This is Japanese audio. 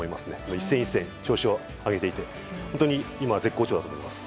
一戦一戦、調子を上げて今、絶好調だと思います。